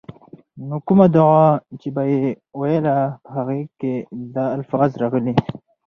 نو کومه دعاء چې به ئي ويله، په هغې کي دا الفاظ راغلي: